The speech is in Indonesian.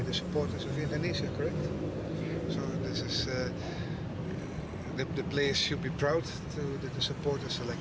jadi pemain ini harus berterima kasih kepada penonton yang menolong